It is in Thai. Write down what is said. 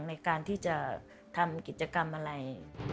ในการที่จะทำกิจกรรมอะไร